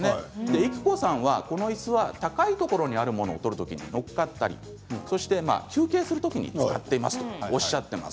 育子さんは、このいすは高いところにあるものを取る時に乗っかったり休憩する時に使っていますとおっしゃっています。